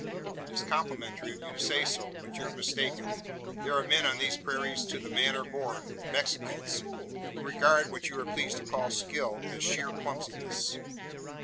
"It is complimentary of you to say so. But you are mistaken. There are men on these prairies `to the manner born' Mexicans who regard, what you are pleased to call skill, as sheer clumsiness."